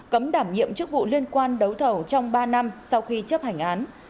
cấm đảm nhiệm chức vụ liên quan đấu thầu trong ba năm sau khi chấp hành án